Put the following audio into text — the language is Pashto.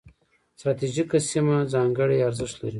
ستراتیژیکه سیمه ځانګړي ارزښت لري.